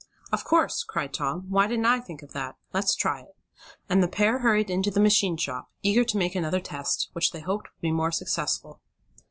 "Of course!" cried Tom. "Why didn't I think of that? Let's try it." And the pair hurried into the machine shop, eager to make another test, which they hoped would be more successful.